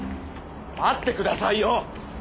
待ってくださいよ！